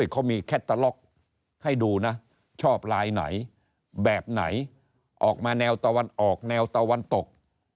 เขามีแคตเตอร์ล็อกให้ดูนะชอบลายไหนแบบไหนออกมาแนวตะวันออกแนวตะวันตก